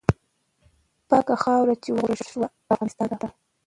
پاکه خاوره چې وژغورل سوه، افغانستان دی.